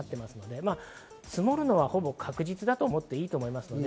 積もるのはほぼ確実だと思っていいと思いますね。